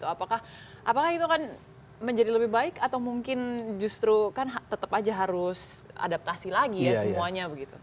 apakah itu akan menjadi lebih baik atau mungkin justru kan tetap aja harus adaptasi lagi ya semuanya begitu